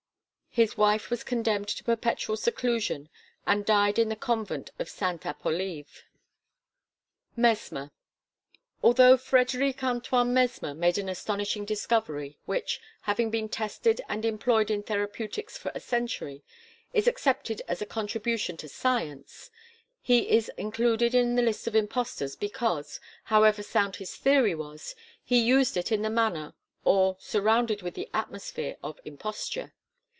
His wife was condemned to perpetual seclusion and died in the Convent of Sainte Appolive. MESMER Although Frederic Antoine Mesmer made an astonishing discovery which, having been tested and employed in therapeutics for a century, is accepted as a contribution to science, he is included in the list of impostors because, however sound his theory was, he used it in the manner or surrounded with the atmosphere of imposture.